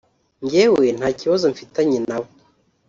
njyewe nta kibazo mfitanye nabo